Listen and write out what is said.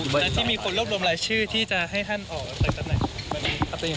แต่ที่มีคนรวมหลายชื่อที่จะให้ท่านออกไปสักหน่อย